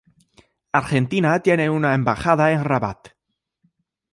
Argentina tiene una embajada en Rabat.